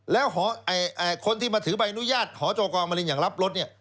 แล้วคนที่มาถือใบอนุญาตหอจกรมรินอย่างรับรถเนี่ย